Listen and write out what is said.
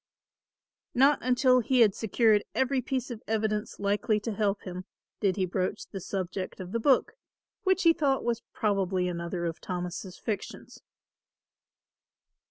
Not until he had secured every piece of evidence likely to help him, did he broach the subject of the book, which he thought was probably another of Thomas' fictions.